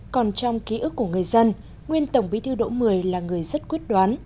còn trong ký ức của người dân nguyên tổng bí thư đỗ mười là người rất quyết đoán